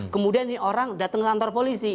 kemudian ini orang datang ke kantor polisi